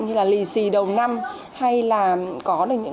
như lì xì đầu năm hay là có đồng hành